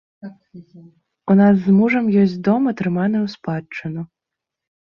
У нас з мужам ёсць дом, атрыманы ў спадчыну.